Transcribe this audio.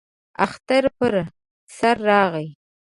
اختر پر سر راغی.